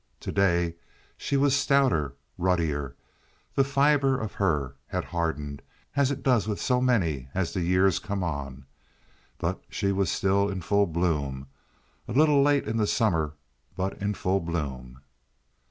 To day she was stouter, ruddier—the fiber of her had hardened, as it does with so many as the years come on; but she was still in full bloom—a little late in the summer, but in full bloom.